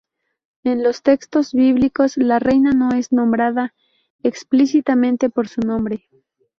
En los textos bíblicos, la reina no es nombrada explícitamente por su nombre.